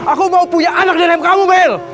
aku mau punya anak dari hem kamu mel